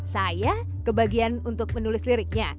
saya kebagian untuk menulis liriknya